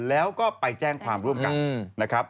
แล้วก็ไปแจ้งความร่วมกัน